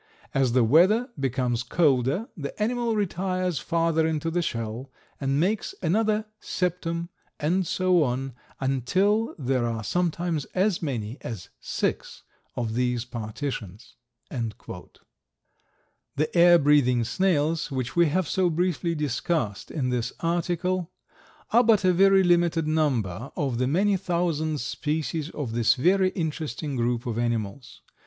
As the weather becomes colder the animal retires farther into the shell, and makes another septum, and so on, until there are sometimes as many as six of these partitions." The air breathing snails which we have so briefly discussed in this article, are but a very limited number of the many thousand species of this very interesting group of animals.